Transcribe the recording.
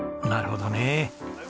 なるほどね。